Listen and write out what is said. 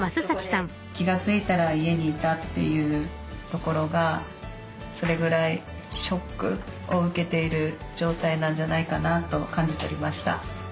気が付いたら家にいたというところがそれぐらいショックを受けている状態なんじゃないかなと感じ取りました。